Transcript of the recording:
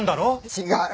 違う。